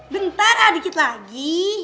bentar ah dikit lagi